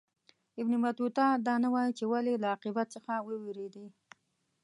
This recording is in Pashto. ابن بطوطه دا نه وايي چې ولي له عاقبت څخه ووېرېدی.